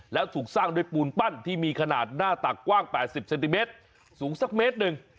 แล้วถูกสร้างด้วยปูนปั้นที่มีขนาดหน้าตักกว้าง๘๐เซนติเมตรสูงสักเมตรหนึ่ง